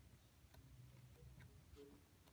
তাঁহার বাপ মনোহরলালের ছিল সাবেককেলে বড়োমানুষি চাল।